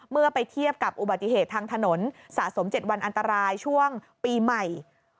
เมื่อไปเทียบกับอุบัติเหตุทางถนนสะสม๗วันอันตรายช่วงปีใหม่